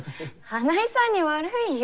花井さんに悪いよ。